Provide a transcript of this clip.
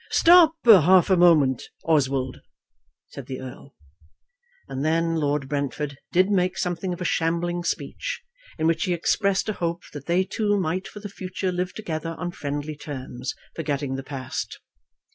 "Stop half a moment, Oswald," said the Earl. And then Lord Brentford did make something of a shambling speech, in which he expressed a hope that they two might for the future live together on friendly terms, forgetting the past.